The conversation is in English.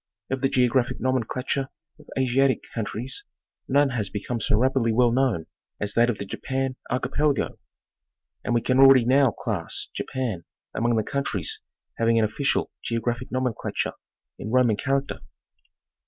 Of the geographic nomenclature of Asiatic countries none has become so rapidly well known as that of the Japan Archipelago, — and we can already now class Japan among the countries having an official geographic nomenclature in Roman character.